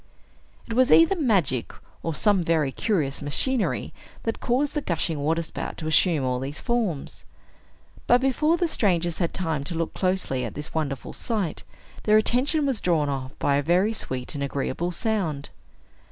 It was either magic or some very curious machinery that caused the gushing waterspout to assume all these forms. But, before the strangers had time to look closely at this wonderful sight, their attention was drawn off by a very sweet and agreeable sound.